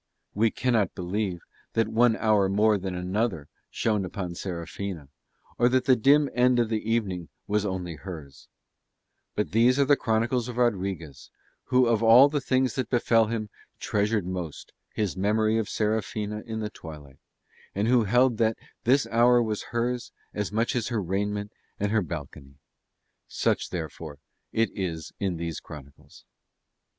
We cannot believe that one hour more than another shone upon Serafina, or that the dim end of the evening was only hers: but these are the Chronicles of Rodriguez, who of all the things that befell him treasured most his memory of Serafina in the twilight, and who held that this hour was hers as much as her raiment and her balcony: such therefore it is in these chronicles.